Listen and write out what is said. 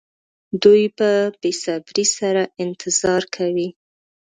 دوی په بې صبرۍ سره انتظار کوي.